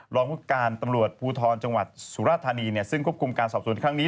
รองผู้การตำรวจภูทรจังหวัดสุราธานีซึ่งควบคุมการสอบสวนครั้งนี้